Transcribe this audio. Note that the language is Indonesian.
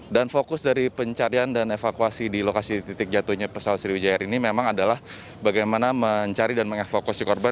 dan fokus dari pencarian dan evakuasi di lokasi titik jatuhnya pesawat sriwijaya r ini memang adalah bagaimana mencari dan mengevokasi korban